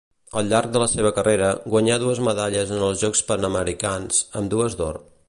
Al llarg de la seva carrera guanyà dues medalles en els Jocs Panamericans, ambdues d'or.